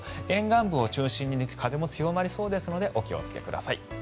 沿岸部を中心に風も強まりそうなのでお気をつけください。